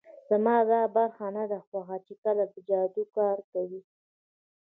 زما دا برخه نه ده خوښه چې کله جادو کار کوي